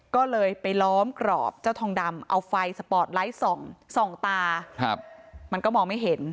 ก็เลยไปล้อมกรอบเจ้าทองดำเอาไฟสปอร์ตไลท์ส่องส่องตามันก็มองไม่เห็น